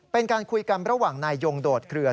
เป็นการคุยกันระหว่างนายยงโดดเคลือ